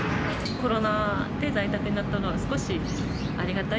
コロナで在宅になったのは、少しありがたい。